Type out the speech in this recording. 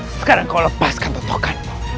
sekarang kau lepaskan tontokanmu